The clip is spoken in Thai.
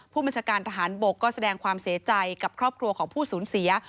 ผู้บัญชาการทหารบกก็แสดงความเสียใจกับครอบครัวของผู้สูญเสีย